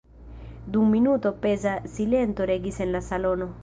Dum minuto peza silento regis en la salono.